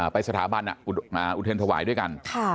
ไปสถาบันอุเทรนถวายด้วยกัน